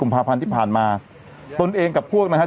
ภาพันธ์ที่ผ่านมาตนเองกับพวกนะครับ